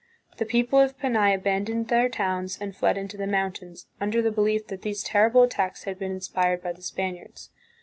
The people of Panay aban doned their towns and fled into the mountains, under the belief that these terrible attacks had been inspired by the Spaniards.